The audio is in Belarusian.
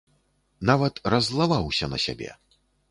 Нават раззлаваўся на сябе.